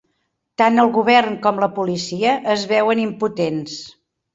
Tant el govern com la policia es veuen impotents.